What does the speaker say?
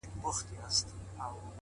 چي په دنيا کي محبت غواړمه،